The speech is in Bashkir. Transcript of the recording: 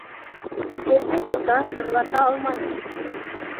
Һеҙҙе тота, тыңлата алманым!